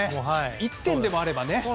１点でもあれば。